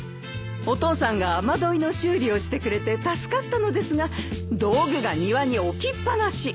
お父さんが雨どいの修理をしてくれて助かったのですが道具が庭に置きっぱなし。